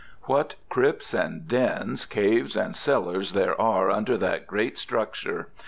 What crypts and dens, caves and cellars there are under that great structure!